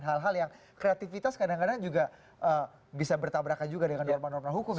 hal hal yang kreativitas kadang kadang juga bisa bertabrakan juga dengan norma norma hukum